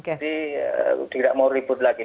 jadi tidak mau ribut lagi